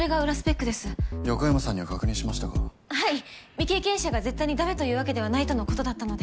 未経験者が絶対にだめというわけではないとのことだったので。